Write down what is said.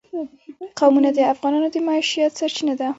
قومونه د افغانانو د معیشت سرچینه ده.